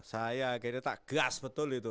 saya kayaknya tak gas betul itu